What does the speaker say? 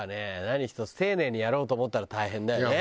何ひとつ丁寧にやろうと思ったら大変だよね。